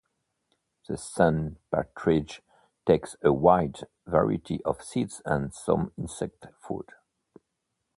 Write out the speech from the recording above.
The sand partridge takes a wide variety of seeds and some insect food.